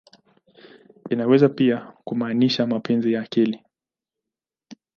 Inaweza pia kumaanisha "mapenzi ya akili.